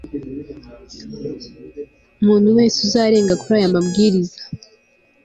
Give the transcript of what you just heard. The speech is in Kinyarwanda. umuntu wese uzarenga kuri aya mabwiriza